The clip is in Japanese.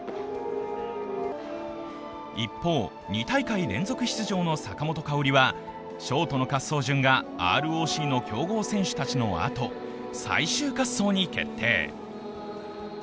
一方、２大会連続出場の坂本花織は、ショートの滑走順がＲＯＣの強豪選手のあと最終滑走に決定。